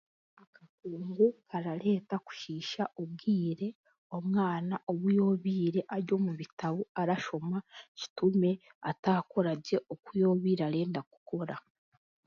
Akakungu karareeta kushiisha obwire omwana obu yoobiire ari omu bitabo arashoma kitume ataakoragye oku yoobiire arenda kukora.